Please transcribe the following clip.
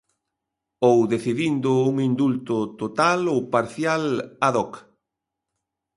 Ou decidindo un indulto total ou parcial "ad hoc".